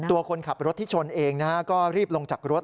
ตัวคนขับรถที่ชนเองก็รีบลงจากรถ